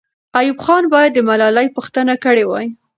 ایوب خان باید د ملالۍ پوښتنه کړې وای.